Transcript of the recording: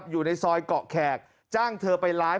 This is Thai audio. อยู่ในซอยเกาะแขกจ้างเธอไปไลฟ์